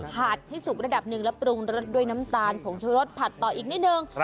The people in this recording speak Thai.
ผัดให้สุกระดับหนึ่งแล้วปรุงรสด้วยน้ำตาลผงชะรสผัดต่ออีกนิดนึง